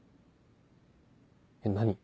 えっ何？